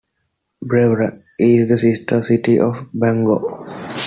Brewer is the sister city of Bangor.